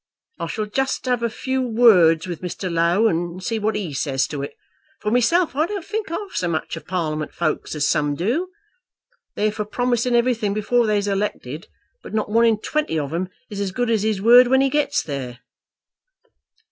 I shall just have a few words with Mr. Low, and see what he says to it. For myself I don't think half so much of Parliament folk as some do. They're for promising everything before they's elected; but not one in twenty of 'em is as good as his word when he gets there."